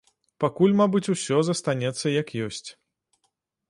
Пакуль, мабыць, усё застанецца, як ёсць.